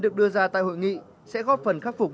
được đưa ra tại hội nghị sẽ góp phần khắc phục